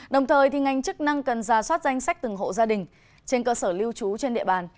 đồng thời ngành chức năng cần ra soát danh sách từng hộ gia đình trên cơ sở lưu trú trên địa bàn